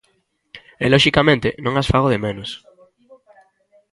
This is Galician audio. E loxicamente non as fago de menos.